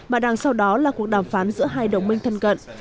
mà đằng sau đó là cuộc đàm phán giữa hai đồng minh thân cận